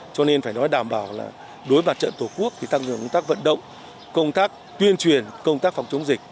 cho nên phải nói đảm bảo là đối mặt trận tổ quốc thì tăng cường công tác vận động công tác tuyên truyền công tác phòng chống dịch